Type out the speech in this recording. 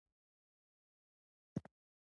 کچېرې ملالې دا کار